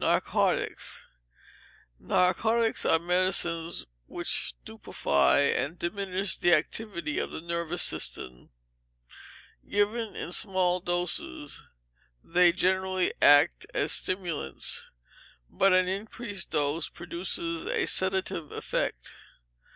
Narcotics. Narcotics are medicines which stupefy and diminish the activity of the nervous system. Given in small doses, they generally act as stimulants, but an increased dose produces a sedative effect.